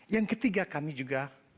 yang ketiga kami juga